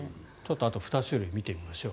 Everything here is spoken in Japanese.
あと２種類見てみましょう。